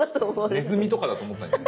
ネズミとかだと思ったんじゃない？